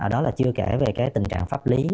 đó là chưa kể về cái tình trạng pháp lý